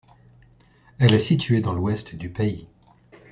Elle est située dans l'ouest du pays.